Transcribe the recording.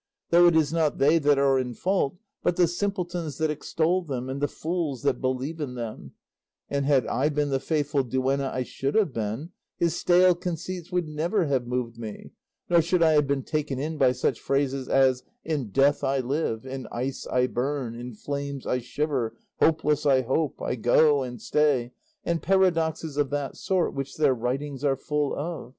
Though it is not they that are in fault, but the simpletons that extol them, and the fools that believe in them; and had I been the faithful duenna I should have been, his stale conceits would have never moved me, nor should I have been taken in by such phrases as 'in death I live,' 'in ice I burn,' 'in flames I shiver,' 'hopeless I hope,' 'I go and stay,' and paradoxes of that sort which their writings are full of.